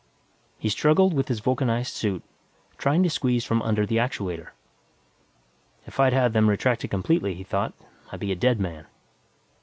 He struggled with his vulcanized suit, trying to squeeze from under the actuator. If I'd had them retract it completely, he thought, I'd be a dead man.